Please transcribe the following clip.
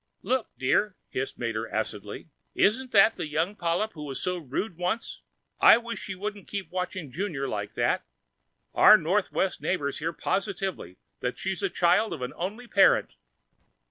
"Look, dear," hissed Mater acidly, "isn't that the little polyp who was so rude once?... I wish she wouldn't keep watching Junior like that. Our northwest neighbor heard positively that she's the child of an only parent!"